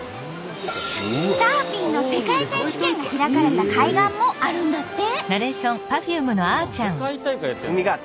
サーフィンの世界選手権が開かれた海岸もあるんだって。